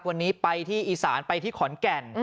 วันนี้ไปที่อีสานไปที่ขอนแก่น